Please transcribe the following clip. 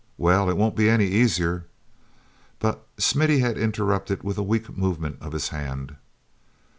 Well, it won't be any easier—" But Smithy had interrupted with a weak movement of his hand.